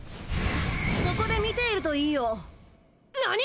そこで見ているといいよなに！？